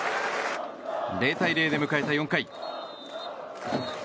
０対０で迎えた４回。